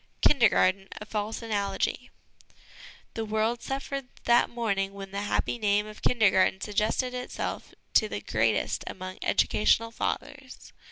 'Kindergarten* a False Analogy. The world suffered that morning when the happy name of ' Kindergarten ' suggested itself to the greatest among educational ' Fathers.'